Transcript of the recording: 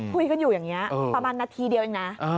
คุยกันอยู่อย่างนี้ประมาณนาทีเดียวเองนะ